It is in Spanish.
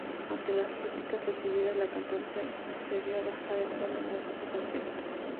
Ante las críticas recibidas, la cantante accedió a "bajar el tono" durante su concierto.